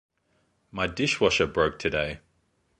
My dishwasher broke today.